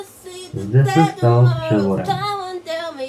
Zde se stal převorem.